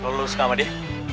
lo lo suka sama dia